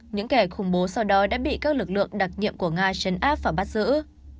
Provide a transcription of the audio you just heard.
những kẻ khủng bố sau đó đã bị các lực lượng đặc nhiệm của nga chấn áp và bắt giữ